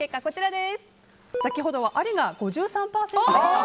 先ほどはありが５３％でした。